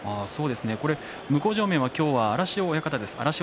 向正面は今日は荒汐親方です。